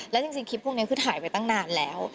แล้วจริงคลิปพวกนี้คือถ่ายไว้ตั้งนานแล้ว